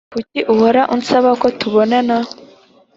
Kuki uhora unsaba ko tubonana